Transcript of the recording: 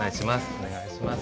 おねがいします。